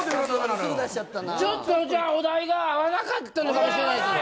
ちょっとお題が合わなかったのかな。